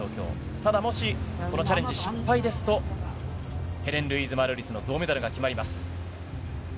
ただもし、このチャレンジ失敗ですと、ヘレンルイーズ・マルーリスの銅メダルが決まります。